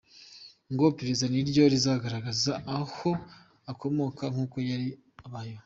Ngo iperereza niryo rizagaragaza aho aho akomoka n’ uko yari abayeho.